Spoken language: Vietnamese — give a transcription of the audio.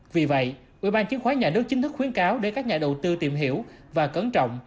vì vậy ubnd chính thức khuyến cáo để các nhà đầu tư tìm hiểu và cấn trọng